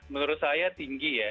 menurut saya tinggi ya